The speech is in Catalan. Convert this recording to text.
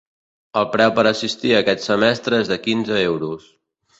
El preu per assistir a aquest semestre és de quinze euros.